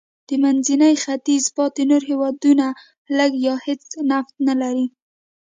د منځني ختیځ پاتې نور هېوادونه لږ یا هېڅ نفت نه لري.